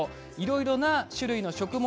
いろんな種類の食物